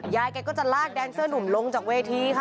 ยายแกก็จะลากแดนเซอร์หนุ่มลงจากเวทีค่ะ